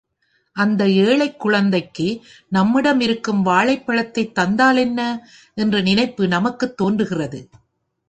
அந்த ஏழைக் குழந்தைக்கு நம்மிடம் இருக்கும் வாழைப் பழத்தைத் தந்தால் என்ன? என்ற நினைப்பு நமக்குத் தோன்றுகிறது.